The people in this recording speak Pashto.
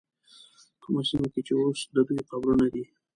کومه سیمه کې چې اوس د دوی قبرونه دي.